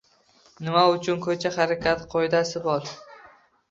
Nima uchun ko‘cha harakati qoidasi bor.